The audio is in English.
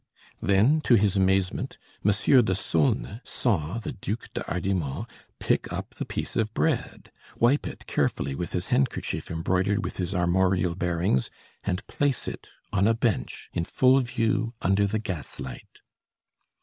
Then to his amazement, Monsieur de Saulnes saw the Duc de Hardimont pick up the piece of bread, wipe it carefully with his handkerchief embroidered with his armorial bearings, and place it on a bench, in full view under the gaslight.